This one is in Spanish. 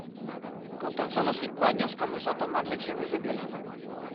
Con tan solo cinco años comenzó a tomar lecciones de violín.